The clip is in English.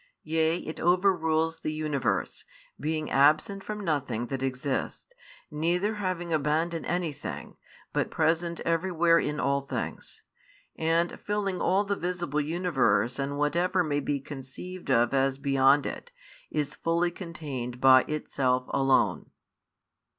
Yea, it overrules the universe, being absent from nothing that exists, neither having abandoned anything, but present everywhere in all things; and, filling all the visible universe and whatever may be conceived of as beyond it, is fully contained by Itself alone.